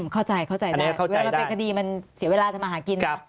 เข้าใจได้ว่าเป็นคดีมันเสียเวลาจะมาหากินนะ